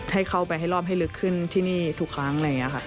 ให้เข้าไปให้รอบให้ลึกขึ้นที่นี่ทุกครั้งอะไรอย่างนี้ค่ะ